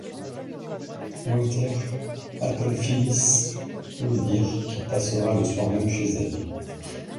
Walter appelle Phyllis pour lui dire qu’il passera le soir-même chez elle.